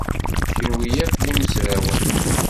Kenwi akk d imezrawen.